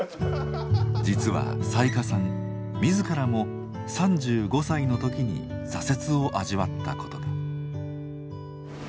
実は雑賀さん自らも３５歳の時に挫折を味わったことが。